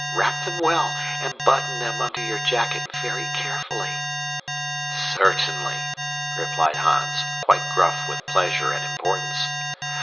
Wrap them well, and button them under your jacket very carefully." "Certainly," replied Hans, quite gruff with pleasure and importance.